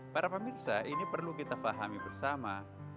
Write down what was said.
para pemirsa ini perlu kita fahami bersama